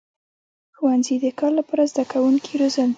• ښوونځي د کار لپاره زدهکوونکي روزل.